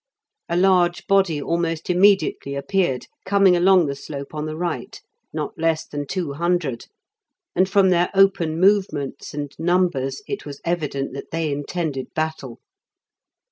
A large body almost immediately appeared, coming along the slope on the right, not less than two hundred; and from their open movements and numbers it was evident that they intended battle.